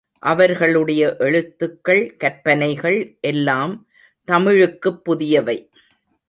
அவர்களுடைய எழுத்துக்கள், கற்பனைகள் எல்லாம் தமிழுக்குப் புதியவை.